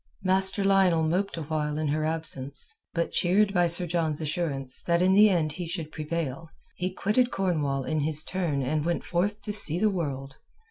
Master Lionel moped awhile in her absence; but cheered by Sir John's assurance that in the end he should prevail, he quitted Cornwall in his turn and went forth to see the world.